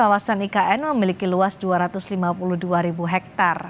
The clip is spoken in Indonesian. kawasan ikn memiliki luas dua ratus lima puluh dua ribu hektare